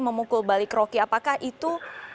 memukul balik rocky apakah itu